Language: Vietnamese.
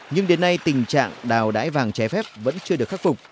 nhưng đến nay tình trạng đào đái vàng trái phép vẫn chưa được khắc phục